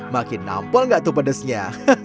makin nampol gak tuh pedasnya